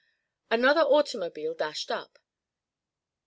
Another automobile dashed up.